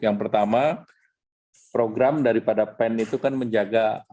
yang pertama program daripada pen itu kan menjaga